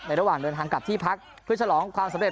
ระหว่างเดินทางกลับที่พักเพื่อฉลองความสำเร็